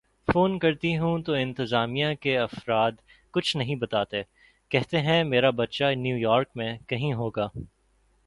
phone کرتی ہوں تو انتظامیہ کے افراد کچھ نہیں بتاتے کہتے ہیں میرا بچہ نیویارک میں کہیں ہوگا